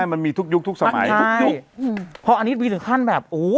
มันมีทุกยุคทุกสมัยทุกยุคอืมเพราะอันนี้มีถึงขั้นแบบโอ้